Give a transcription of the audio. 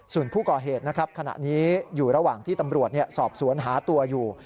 ส่วนผู้ก่อเหตุนะครับขณะนี้อยู่ระหว่างที่ตำรวจสอบสวนหาตัวอยู่